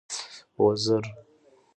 وزر.